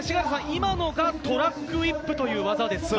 今のがトラックウィップという技ですか？